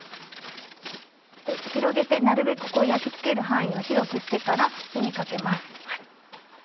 広げてなるべく焼き付ける範囲を広くしてから火にかけます。